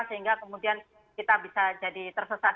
sehingga kemudian kita bisa jadi tersesat